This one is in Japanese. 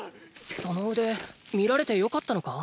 その腕見られてよかったのか？